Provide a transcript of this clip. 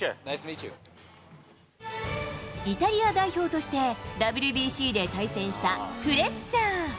イタリア代表としてＷＢＣで対戦したフレッチャー。